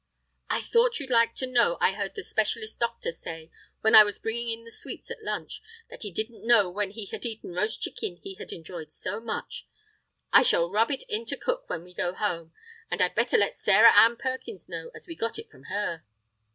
"I thought you'd like to know I heard the specialist doctor say, when I was bringing in the sweets at lunch, that he didn't know when he had eaten roast chicken he had enjoyed so much. I shall rub it into cook when we go home. And I'd better let Sarah Ann Perkins know, as we got it from her."